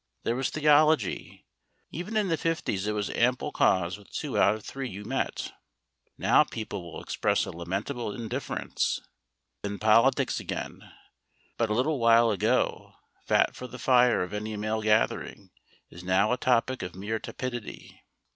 There was theology, even in the fifties it was ample cause with two out of three you met. Now people will express a lamentable indifference. Then politics again, but a little while ago fat for the fire of any male gathering, is now a topic of mere tepidity.